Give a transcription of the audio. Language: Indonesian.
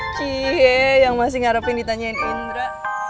cihe yang masih ngarepin ditanyain indra